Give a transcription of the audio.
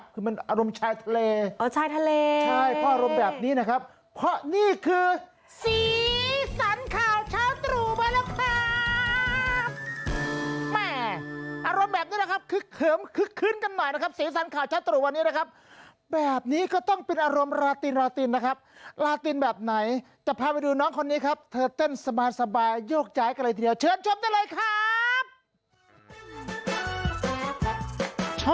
เพราะว่ามันไม่น่าจะหนักมากคือมันอารมณ์ชายทะเล